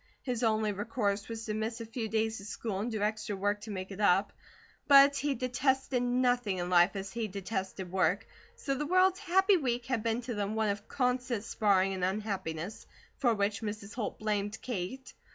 His only recourse was to miss a few days of school and do extra work to make it up; but he detested nothing in life as he detested work, so the world's happy week had been to them one of constant sparring and unhappiness, for which Mrs. Holt blamed Kate.